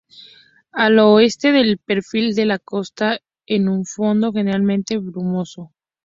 Al oeste, el perfil de la costa, en un fondo generalmente brumoso.